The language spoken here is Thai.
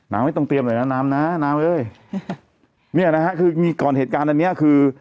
ไม่ต้องเตรียมเลยนะน้ำนะน้ำเอ้ยเนี่ยนะฮะคือมีก่อนเหตุการณ์อันเนี้ยคือ